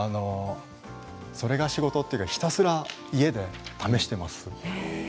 それが仕事というかひたすら家で試しています。